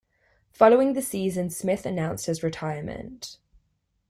Following the season Smith announced his retirement.